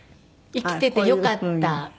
「生きててよかった。